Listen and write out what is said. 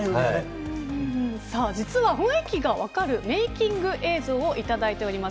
実は雰囲気が分かるメイキング映像をいただいております。